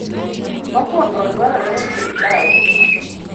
Mokwongo, dwarore ni sirkal